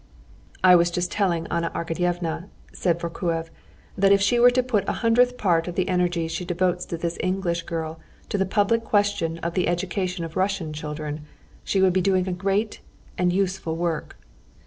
"I was just telling Anna Arkadyevna," said Vorkuev, "that if she were to put a hundredth part of the energy she devotes to this English girl to the public question of the education of Russian children, she would be doing a great and useful work."